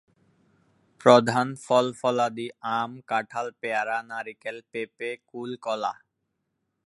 প্রধান ফল-ফলাদি আম, কাঁঠাল, পেয়ারা, নারিকেল, পেঁপে, কূল, কলা।